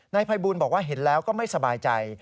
ภัยบูลบอกว่าเห็นแล้วก็ไม่สบายใจ